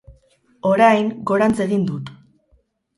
Orain gorantz egin dut.